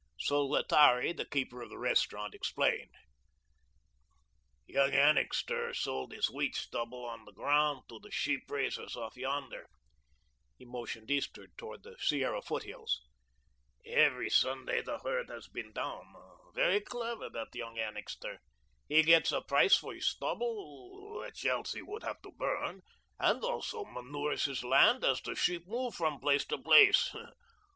Solotari, the keeper of the restaurant, explained: "Young Annixter sold his wheat stubble on the ground to the sheep raisers off yonder;" he motioned eastward toward the Sierra foothills. "Since Sunday the herd has been down. Very clever, that young Annixter. He gets a price for his stubble, which else he would have to burn, and also manures his land as the sheep move from place to place.